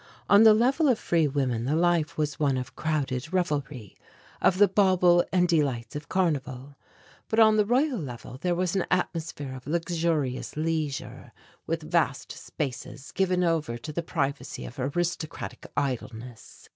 On the Level of Free Women the life was one of crowded revelry, of the bauble and delights of carnival, but on the Royal Level there was an atmosphere of luxurious leisure, with vast spaces given over to the privacy of aristocratic idleness.